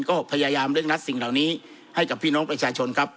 ก็พยายามเร่งรัดสิ่งเหล่านี้ให้กับพี่น้องประชาชนครับ